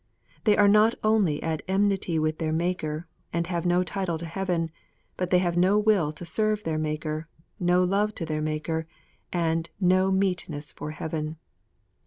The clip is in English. They are not only at enmity with their Maker, and have no title to heaven, but they have no will to serve their Maker, no love to their Maker, and no meetness for heaven.